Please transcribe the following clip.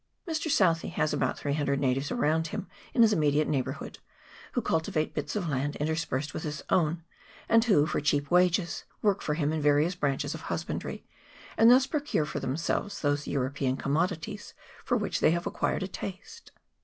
Mr. Southee has about 300 natives around him in his immediate neighbourhood, who cultivate bits of land interspersed with his own, and who, for cheap wages, work for him in various branches of husbandry, and thus procure for themselves those European commodities for which they have acquired a taste.